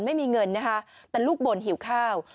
ไม่มีเงินนะคะแต่ลูกบ่นหิวข้าว